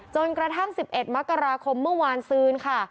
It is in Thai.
จนกระทั่ง๑๑มกราคมเมื่อวานซืนค่ะ